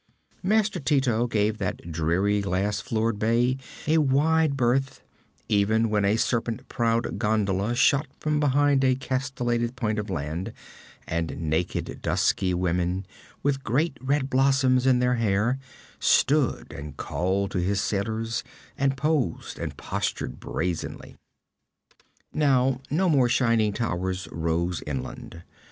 Master Tito gave that dreamy glass floored bay a wide berth, even when a serpent prowed gondola shot from behind a castellated point of land, and naked dusky women, with great red blossoms in their hair, stood and called to his sailors, and posed and postured brazenly. Now no more shining towers rose inland.